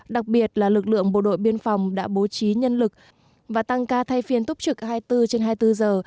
đặc biệt là lực lượng bộ đội biên phòng đã bố trí nhân lực và tăng ca thay phiên túc trực hai mươi bốn trên hai mươi bốn giờ